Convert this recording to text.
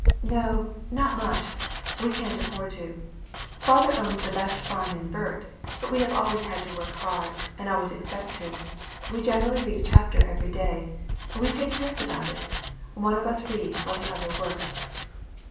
"No; not much. We can't afford to. Father owns the best farm in Burt; but we have always had to work hard, and always expect to. We generally read a chapter every day. We take turns about it. One of us reads while the other works."